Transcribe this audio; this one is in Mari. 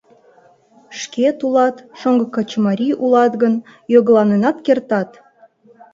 Шкет улат, шоҥго качымарий улат гын, йогыланенат кертат.